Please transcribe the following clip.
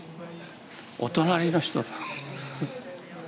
お隣の人だもん。